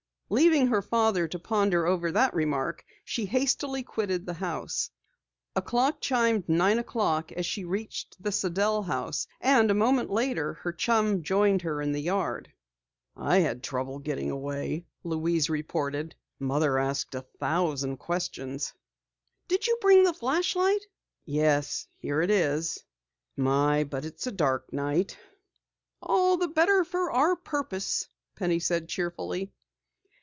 Leaving her father to ponder over the remark, she hastily quitted the house. A clock chimed nine o'clock as she reached the Sidell house, and a moment later her chum joined her in the yard. "I had trouble getting away," Louise reported. "Mother asked a thousand questions." "Did you bring the flashlight?" "Yes, here it is. My, but it's a dark night!" "All the better for our purpose," Penny said cheerfully.